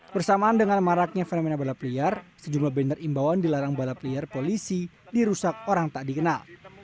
bersamaan dengan maraknya fenomena balap liar sejumlah banner imbauan dilarang balap liar polisi dirusak orang tak dikenal